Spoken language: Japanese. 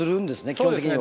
基本的には。